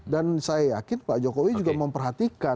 dan saya yakin pak jokowi juga memperhatikan